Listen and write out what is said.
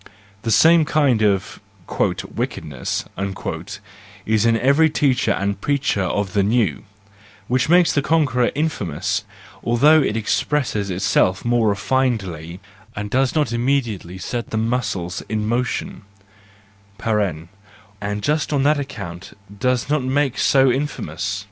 The same kind of " wickedness " is in every teacher ^nd preacher of the new —which makes a conqueror 40 THE JOYFUL WISDOM, I infamous, although it expresses itself more refinedly, and does not immediately set the muscles in motion (and just on that account does not make so in¬ famous